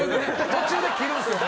途中で切るんすよね。